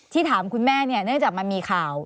ที่ถามคุณแม่เนื่องจากมันมีข่าว